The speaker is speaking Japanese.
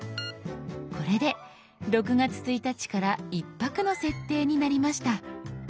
これで６月１日から１泊の設定になりました。